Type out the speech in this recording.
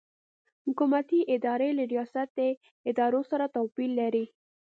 حکومتي ادارې له ریاستي ادارو سره توپیر لري.